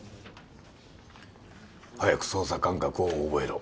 早く操作感覚を覚えろ。